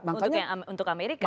makanya untuk amerika